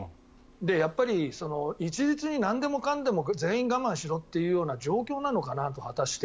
やっぱり一律になんでもかんでも全員我慢しろっていうような状況なのかなと、果たして。